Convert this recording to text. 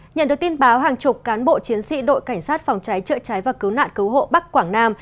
nhận được tin báo hàng chục cán bộ chiến sĩ đội cảnh sát phòng cháy chữa cháy và cứu nạn cứu hộ bắc quảng nam